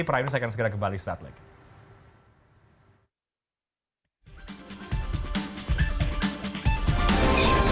prime news akan segera kembali setelah ini